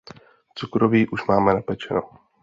Cukroví už máme napečeno.